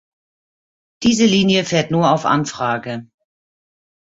Diese Linie fährt nur auf Anfrage.